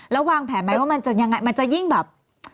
แล้ววางแผนไหมว่ามันจะยิ่งแบบ